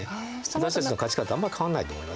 私たちの価値観とあんま変わんないと思います。